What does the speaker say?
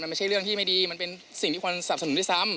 มันไม่ใช่เรื่องที่ไม่ดีมันเป็นสิ่งที่ควรสนับสนุนด้วยซ้ำ